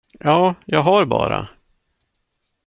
Ja, jag har bara.